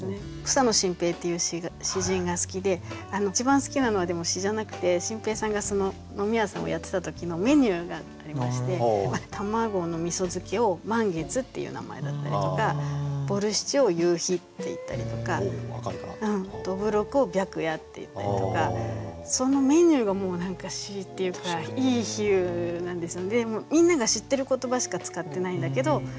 草野心平っていう詩人が好きで一番好きなのはでも詩じゃなくて心平さんが飲み屋さんをやってた時のメニューがありまして卵の味漬けを「満月」っていう名前だったりとかボルシチを「夕日」っていったりとかどぶろくを「白夜」っていったりとかおしゃれっていうか何て言うかちょうどいいあんばいなんですよ。